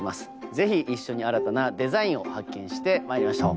ぜひ一緒に新たなデザインを発見してまいりましょう。